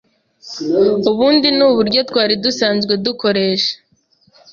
ubundi ni uburyo twari dusanzwe dukoresha